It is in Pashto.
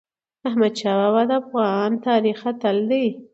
احمدشاه بابا د افغان تاریخ اتل دی.